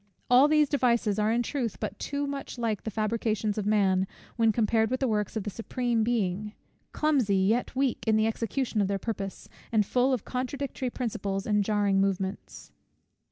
All these devices are in truth but too much like the fabrications of man, when compared with the works of the Supreme Being; clumsy, yet weak in the execution of their purpose, and full of contradictory principles and jarring movements.